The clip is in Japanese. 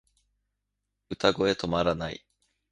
歌声止まらない